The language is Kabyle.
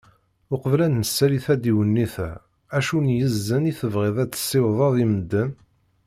Uqbel ad nesali tadiwennit-a, acu n yizen i tebɣiḍ ad tessiwḍeḍ i medden?